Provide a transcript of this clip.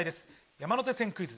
山手線クイズ